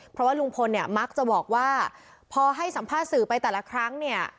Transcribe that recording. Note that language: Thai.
เพราะว่าลุงพลเนี่ยมักจะบอกว่าพอให้สัมภาษณ์สื่อไปแต่ละครั้งเนี่ย